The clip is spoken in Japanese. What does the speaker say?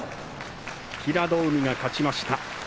平戸海が勝ちました。